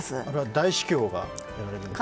大司教がやられるんですか？